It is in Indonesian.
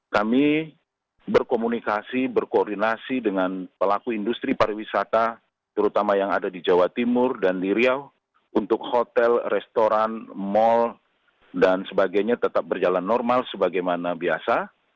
kami berkomunikasi berkoordinasi dengan pelaku industri pariwisata terutama yang ada di jawa timur dan di riau untuk hotel restoran mal dan sebagainya tetap berjalan normal sebagaimana biasa